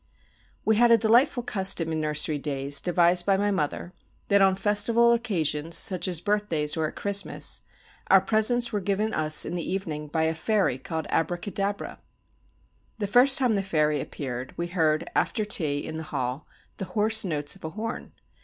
We had a delightful custom in nursery days, devised by my mother, that on festival occasions, such as birthdays or at Christmas, our presents were given us in the evening by a fairy called Abracadabra. The first time the fairy appeared, we heard, after tea, in the hall, the hoarse notes of a horn.